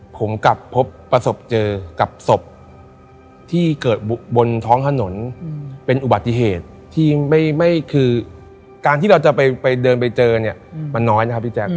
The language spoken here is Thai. ผมกลับพบประสบเจอกับศพที่เกิดบนท้องถนนเป็นอุบัติเหตุที่ไม่คือการที่เราจะไปเดินไปเจอเนี่ยมันน้อยนะครับพี่แจ๊ค